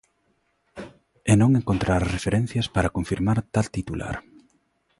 E non encontrará referencias para confirmar tal titular.